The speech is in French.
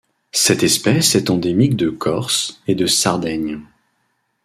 Cette espèce est endémique de Corse et de Sardaigne.